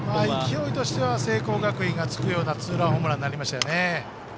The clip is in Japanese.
勢いとしては聖光学院がつくようなツーランホームランになりましたね。